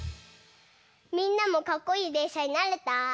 みんなもかっこいいでんしゃになれた？